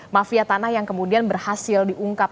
mafia tanah yang kemudian berhasil diungkap